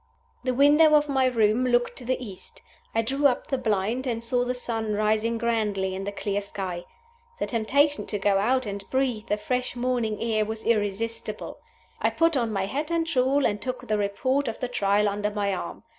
The window of my room looked to the east. I drew up the blind, and saw the sun rising grandly in a clear sky. The temptation to go out and breathe the fresh morning air was irresistible. I put on my hat and shawl, and took the Report of the Trial under my arm.